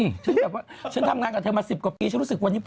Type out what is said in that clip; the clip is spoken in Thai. ถึงแบบว่าฉันทำงานกับเธอมา๑๐กว่าปีฉันรู้สึกวันนี้